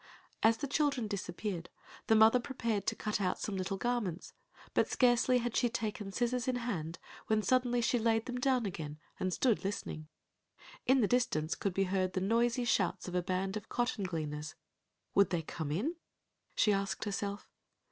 As the children disappeared, the mother prepared to cut out some little garments, but scarcely had she taken scissors in hand when suddenly she laid them down again, and stood listening. In the distance could be heard the noisy shouts of a band of cotton gleaners. "Would they come in?" she asked herself.